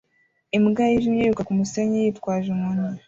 Imbwa yijimye yiruka kumusenyi yitwaje inkoni